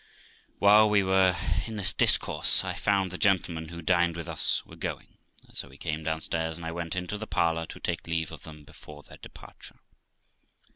While we were in this discourse, I found the gentlemen who dined with us were going, so we came downstairs, and I went into the parlour to take leave of them before their departure.